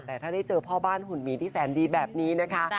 แต่ถ้าได้เจอพ่อบ้านหุ่นหมีที่แสนดีแบบนี้นะคะ